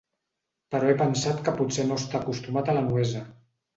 Però he pensat que potser no està acostumat a la nuesa.